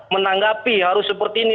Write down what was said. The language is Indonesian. menanggapi harus seperti ini